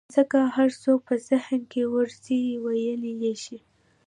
ځکه هر څه چې په ذهن کې ورځي ويلى يې شي.